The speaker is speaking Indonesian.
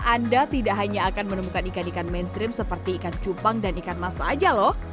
anda tidak hanya akan menemukan ikan ikan mainstream seperti ikan cupang dan ikan mas saja loh